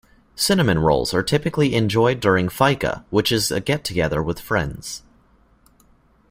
Cinnamon rolls are typically enjoyed during Fika which is a get together with friends.